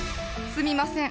すみません。